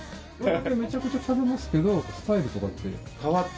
めちゃくちゃ食べますけどスタイルとかって？